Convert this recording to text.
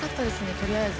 とりあえず。